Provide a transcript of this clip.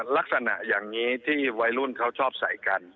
ลักษณะอย่างนี้ที่วัยรุ่นเขาชอบใส่กัน